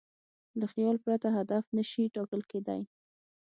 له خیال پرته هدف نهشي ټاکل کېدی.